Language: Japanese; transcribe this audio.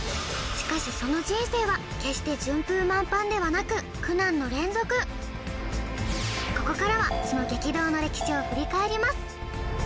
しかしその人生は決して順風満帆ではなく苦難の連続ここからはその激動の歴史を振り返ります